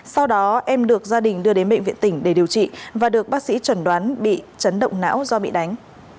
sau đó em được gia đình đưa đến bệnh viện tỉnh để điều trị và được bác sĩ chuẩn đoán bị chấn động não do bị đánh